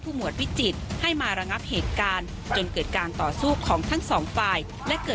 หมวดวิจิตรให้มาระงับเหตุการณ์จนเกิดการต่อสู้ของทั้งสองฝ่ายและเกิด